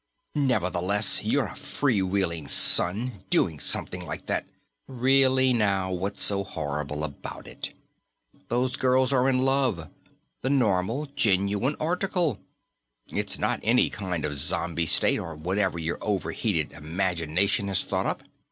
"Nevertheless, you're a free wheeling son, doing something like that " "Really, now, what's so horrible about it? Those girls are in love the normal, genuine article. It's not any kind of zombie state, or whatever your overheated imagination has thought up.